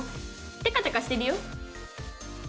テカテカしてるよ。